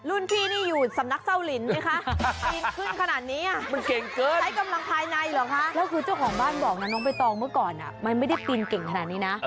รุ่นพี่นี่อยู่สำนักเจ้าหลินไหมคะ